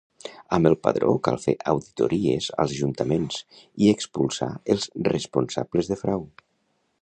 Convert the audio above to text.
Amb el Padró cal fer auditories als Ajuntaments i expulsar els responsables de frau